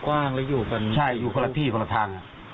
ไม่เคยเห็นเลยใช่มั้ย